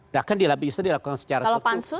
bahkan bisa dilakukan secara tertutup